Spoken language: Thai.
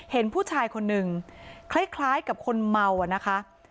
เห็นผู้ชายคนนึงคล้ายกับคนเมาอะนะคะ